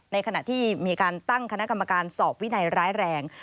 ในขณะที่มีการตั้งคณะกรรมการสอบวินัยร้ายแรง